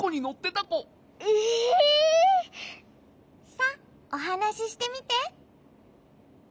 さあおはなししてみて。